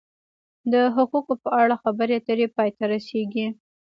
د حقوقو په اړه خبرې اترې پای ته رسیږي.